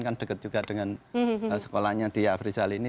kan dekat juga dengan sekolahnya di afrizal ini